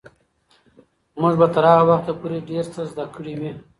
موږ به تر هغه وخته ډېر څه زده کړي وي.